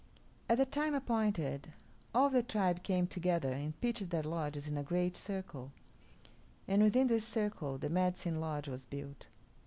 At the time appointed all the tribe came together and pitched their lodges in a great circle, and within this circle the Medicine Lodge was built.